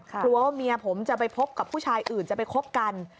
กลัวว่าเมียผมจะไปพบกับผู้ชายอื่นจะไปคบกัน